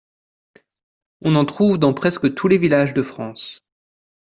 On en trouve dans presque tous les villages de France.